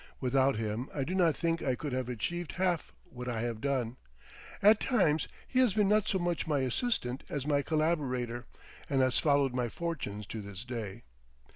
Without him I do not think I could have achieved half what I have done. At times he has been not so much my assistant as my collaborator, and has followed my fortunes to this day.